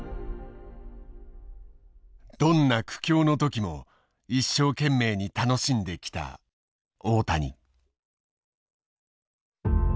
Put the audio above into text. どんな苦境の時も一生懸命に楽しんできた大谷。